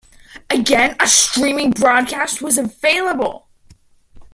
Again, a streaming broadcast was available.